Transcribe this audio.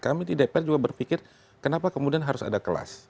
kami di dpr juga berpikir kenapa kemudian harus ada kelas